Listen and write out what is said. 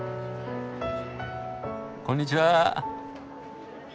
こんにちは。